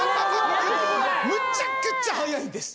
むっちゃくっちゃ早いんです